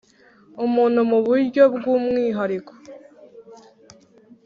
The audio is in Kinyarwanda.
umuntu mu buryo bw’umwihariko